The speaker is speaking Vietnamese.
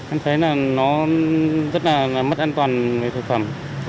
em thấy là nó rất là mất an toàn về thực phẩm